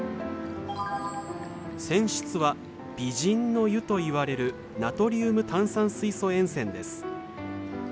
泉質は「美人の湯」といわれるナトリウム炭酸水素塩泉です。